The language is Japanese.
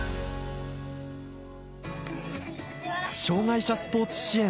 障がい者スポーツ支援